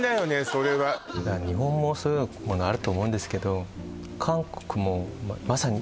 それは日本もそういうものあると思うんですけど